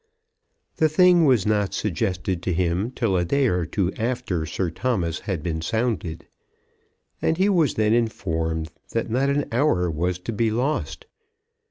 The thing was not suggested to him till a day or two after Sir Thomas had been sounded, and he was then informed that not an hour was to be lost.